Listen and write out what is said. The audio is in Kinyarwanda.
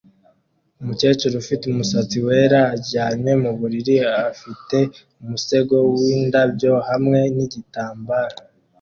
Umukecuru ufite umusatsi wera aryamye mu buriri afite umusego w’indabyo hamwe nigitambaro